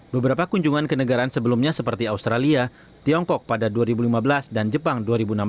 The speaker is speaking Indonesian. beberapa kunjungan ke negaraan sebelumnya seperti australia tiongkok pada dua ribu lima belas dan jepang dua ribu enam belas